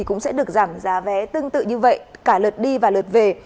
cũng sẽ được giảm giá vé tương tự như vậy cả lượt đi và lượt về